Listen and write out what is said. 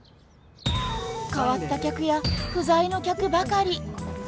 変わった客や不在の客ばかり。